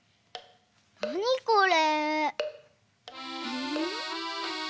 なにこれ？